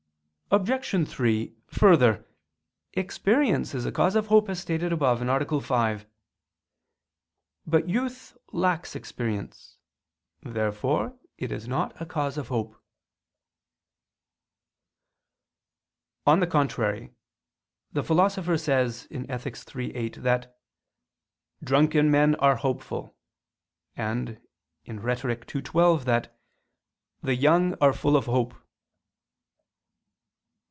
Obj. 3: Further, experience is a cause of hope, as stated above (A. 5). But youth lacks experience. Therefore it is not a cause of hope. On the contrary, The Philosopher says (Ethic. iii, 8) that "drunken men are hopeful": and (Rhet. ii, 12) that "the young are full of hope."